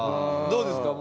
どうですか？